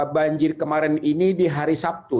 banjir kemarin ini di hari sabtu